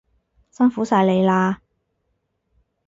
辛苦晒你喇